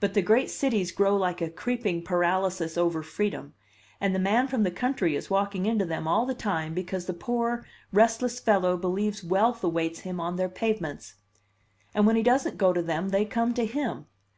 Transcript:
But the great cities grow like a creeping paralysis over freedom, and the man from the country is walking into them all the time because the poor, restless fellow believes wealth awaits him on their pavements. And when he doesn't go to them, they come to him.